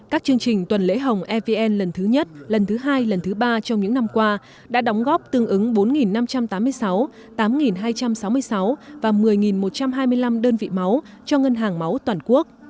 các chương trình tuần lễ hồng evn lần thứ nhất lần thứ hai lần thứ ba trong những năm qua đã đóng góp tương ứng bốn năm trăm tám mươi sáu tám hai trăm sáu mươi sáu và một mươi một trăm hai mươi năm đơn vị máu cho ngân hàng máu toàn quốc